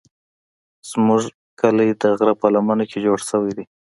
زموږ کلی د غره په لمنه کې جوړ شوی دی.